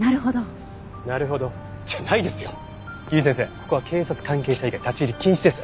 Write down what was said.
ここは警察関係者以外立ち入り禁止です。